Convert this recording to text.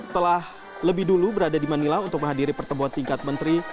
telah lebih dulu berada di manila untuk menghadiri pertemuan tingkat menteri